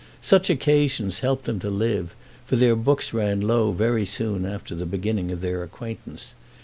Such occasions helped them to live, for their books ran low very soon after the beginning of their acquaintance.